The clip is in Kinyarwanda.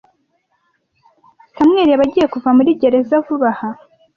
Samuel yaba agiye kuva muri gereza vuba aha?